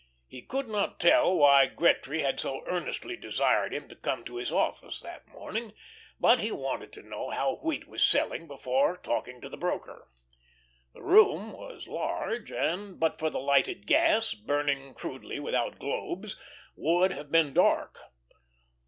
He could not tell why Gretry had so earnestly desired him to come to his office that morning, but he wanted to know how wheat was selling before talking to the broker. The room was large, and but for the lighted gas, burning crudely without globes, would have been dark.